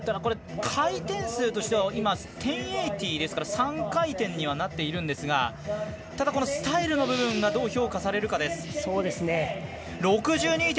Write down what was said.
回転数としては１０８０ですから３回転にはなっているんですがただ、このスタイルの部分がどう評価されるかです。